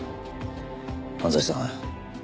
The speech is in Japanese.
安西さん